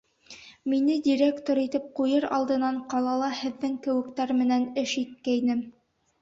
Мине директор итеп ҡуйыр алдынан ҡалала һеҙҙең кеүектәр менән эш иткәйнем.